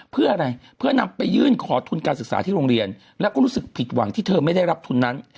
เพื่ออะไรเพื่อนำไปยื่นขอทุนการศึกษาที่โรงเรียนแล้วก็รู้สึกผิดหวังที่เธอไม่ได้รับทุนนั้น